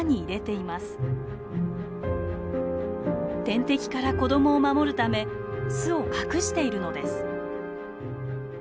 天敵から子供を守るため巣を隠しているのです。